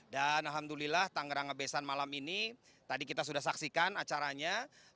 dan alhamdulillah tangerang ngebesan malam ini tadi kita sudah saksikan acaranya